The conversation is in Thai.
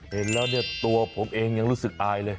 เห็นแล้วเนี่ยตัวผมเองยังรู้สึกอายเลย